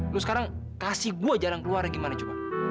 lu sekarang kasih gue jarang keluarnya gimana coba